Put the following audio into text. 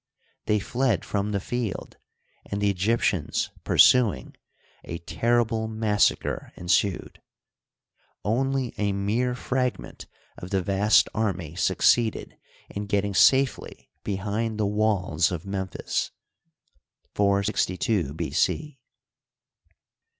They fled from the field, and the Egyptians pursuing, a terrible massacre ensued ; only a mere fragment of the vast army succeeded in getting safely behind the walls of Memphis (462 B. C).